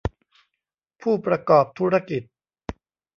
ผู้ประกอบธุรกิจ